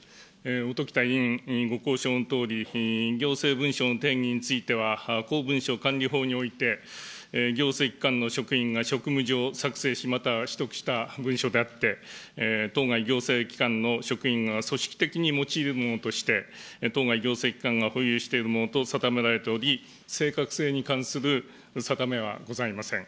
音喜多議員ご高承のとおり、行政文書の定義については、公文書管理法において、行政機関の職員が職務上作成し、または取得した文書であって、当該行政機関の職員が組織的に用いるものとして、当該行政機関が保有しているものと定められており、正確性に関する定めはございません。